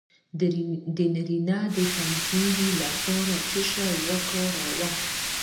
د نارینه د کمزوری لپاره څه شی وکاروم؟